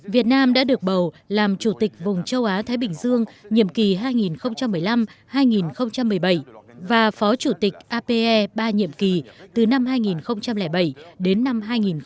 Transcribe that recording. việt nam đã được bầu làm chủ tịch vùng châu á thái bình dương nhiệm kỳ hai nghìn một mươi năm hai nghìn một mươi bảy và phó chủ tịch ape ba nhiệm kỳ từ năm hai nghìn bảy đến năm hai nghìn một mươi